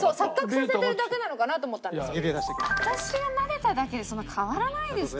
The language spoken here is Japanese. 私がなでただけでそんな変わらないですって。